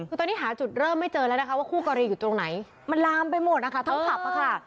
คือตอนนี้หาจุดเริ่มไม่เจอแล้วนะคะว่าคู่กรณีอยู่ตรงไหนมันลามไปหมดนะคะทั้งผับค่ะ